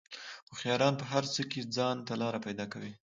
هوښیاران په هر څه کې ځان ته لار پیدا کوي.